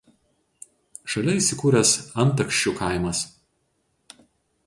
Šalia įsikūręs Antakščių kaimas.